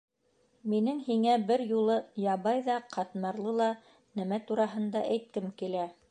Минең һиңә бер юлы ябай ҙа, ҡатмарлы ла нәмә тураһында әйткем килә.